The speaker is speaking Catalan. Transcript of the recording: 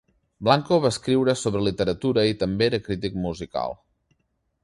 Blanco va escriure sobre literatura i també era crític musical.